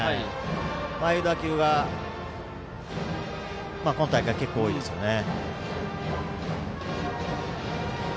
ああいう打球は今大会結構多いですよね。